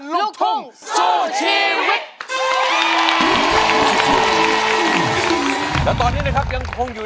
โดยผู้เข้าแข่งขันมีสิทธิ์ใช้ตัวช่วย๓ใน๖แผ่นป้ายตลอดการแข่งขัน